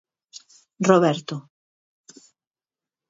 Roberto.